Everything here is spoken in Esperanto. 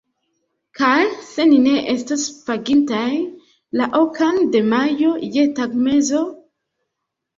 Kaj se ni ne estos pagintaj, la okan de majo, je tagmezo?